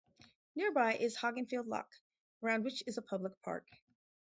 Nearby is Hogganfield Loch, around which is a public park.